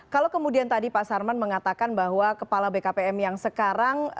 kalau kemudian tadi pak sarman mengatakan bahwa kepala bkpm yang sekarang